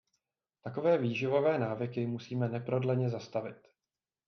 Takové výživové návyky musíme neprodleně zastavit.